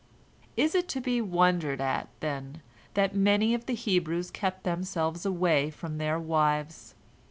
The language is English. Is it to be wondered at, then, that many of the Hebrews kept themselves away from their wives?